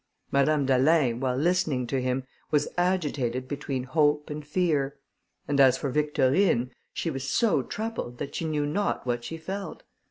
Madame d'Alin, while listening to him, was agitated between hope and fear; and as for Victorine, she was so troubled, that she knew not what she felt.